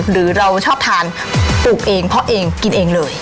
หรือเราชอบทานปลูกเองเพราะเองกินเองเลย